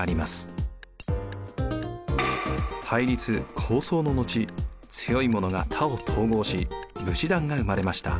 対立抗争の後強いものが他を統合し武士団が生まれました。